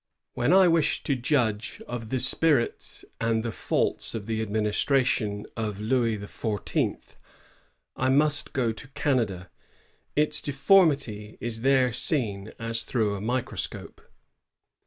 When I wish to judge of the spirit and the faults of the ad ministration of Louis XIV., I must go to Can ada. Its deformity is there seen as through a microscope."